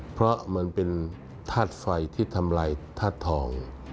เพราะมันเป็นธาตุไฟที่ทำลายธาตุทอง